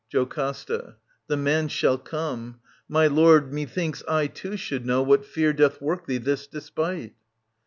JOCASTA. The man shall come. — My lord, methinks I too Should know what fear doth work thee this despite.